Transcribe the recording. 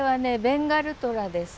ベンガルトラです。